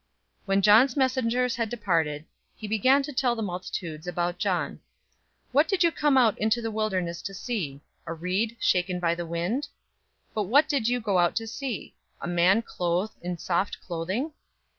007:024 When John's messengers had departed, he began to tell the multitudes about John, "What did you go out into the wilderness to see? A reed shaken by the wind? 007:025 But what did you go out to see? A man clothed in soft clothing?